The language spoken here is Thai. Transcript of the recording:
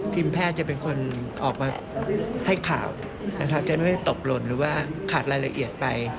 ทีมแพทย์จะเป็นคนออกมาให้ข่าวนะครับจะไม่ตกหล่นหรือว่าขาดรายละเอียดไป